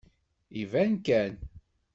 Iban kan.